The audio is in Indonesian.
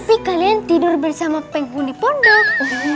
tapi kalian tidur bersama pengguni pandang